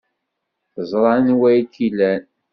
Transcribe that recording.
Teẓra anwa ay k-ilan.